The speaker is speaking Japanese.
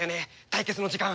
対決の時間。